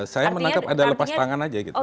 saya menangkap ada lepas tangan saja